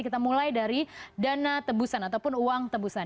kita mulai dari dana tebusan ataupun uang tebusan